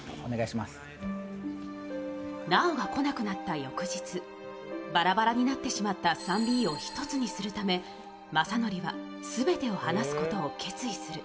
直が来なくなった翌日バラバラになってしまった３−Ｂを１つにするため、政則は全てを話すことを決意する。